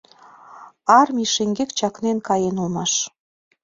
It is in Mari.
Армий шеҥгек чакнен каен улмаш.